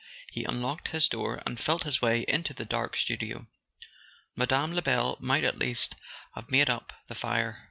He unlocked his door and felt his way into the dark studio. Mme. Lebel might at least have made up the fire!